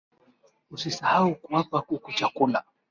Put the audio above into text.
Usisahau kuwapa kuku chakula